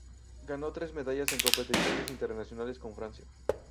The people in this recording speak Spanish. Ganó tres medallas en competiciones internacionales con Francia.